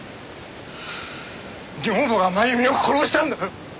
女房が真由美を殺したんだ！